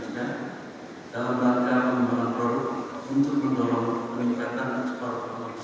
yang terkoneksi langsung dengan gdi algo design board atau jumat bank